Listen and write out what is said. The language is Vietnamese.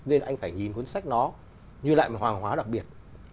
nên anh phải nhìn cuốn sách nó như lại một hoàng hóa đặc biệt